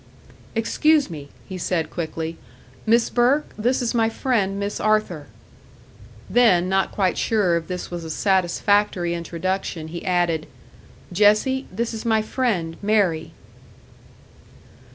"Excuse me," he said, quickly. "Miss Burke, this is my friend, Miss Arthur." Then, not quite sure if this was a satisfactory introduction, he added, "Jessie, this is my friend, Mary."